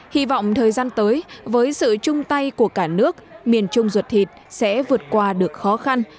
hy vọng thời gian tới với sự chung tay của cả nước miền trung ruột thịt sẽ vượt qua được khó khăn